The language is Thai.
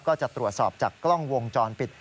ก็จะตรวจสอบจากกล้องวงจรปิด